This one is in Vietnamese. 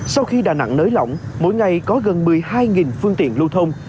sau khi đà nẵng nới lỏng mỗi ngày có gần một mươi hai phương tiện lưu thông